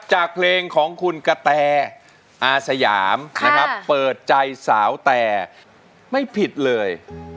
จากเพลงของคุณกะแตอาสยามนะครับเปิดใจสาวแต่ไม่ผิดเลย